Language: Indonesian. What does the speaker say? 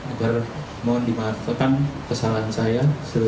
agar mohon dimaafkan kesalahan saya